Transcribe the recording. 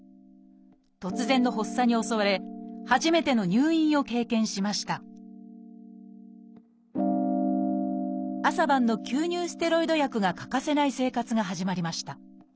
突然の発作に襲われ初めての入院を経験しました朝晩の吸入ステロイド薬が欠かせない生活が始まりました。